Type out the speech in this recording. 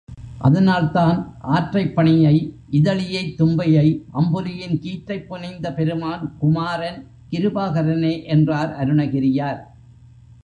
அதனால்தான், ஆற்றைப் பணியை இதழியைத் தும்பையை அம்புலியின் கீற்றைப் புனைந்த பெருமான் குமாரன் கிருபாகரனே என்றார் அருணகிரியார்.